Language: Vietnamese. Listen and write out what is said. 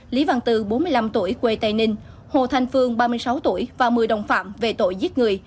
lý văn tư bốn mươi năm tuổi quê tây ninh hồ thanh phương ba mươi sáu tuổi và một mươi đồng phạm về tội giết người